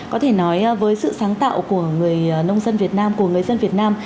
có thể nói với sự sáng tạo của người nông dân việt nam